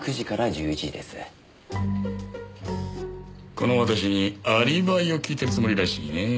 この私にアリバイを聞いてるつもりらしいね。